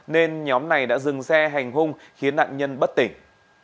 nên nhóm này đã dừng xe hành hung khiến nạn nhân bất tỉnh